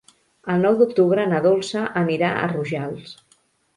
El nou d'octubre na Dolça anirà a Rojals.